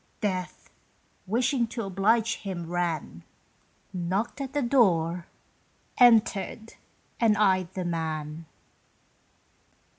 Death, wishing to oblige him, ran, Knocked at the door, entered, and eyed the man.